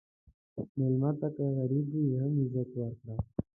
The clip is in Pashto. مېلمه ته که غریب وي، هم عزت ورکړه.